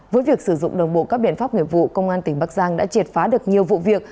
với việc sử dụng đồng bộ các biện pháp nghiệp vụ công an tỉnh bắc giang đã triệt phá được nhiều vụ việc